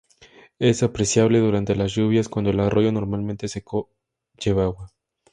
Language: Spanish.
Es apreciable durante las lluvias, cuando el arroyo normalmente seco lleva agua.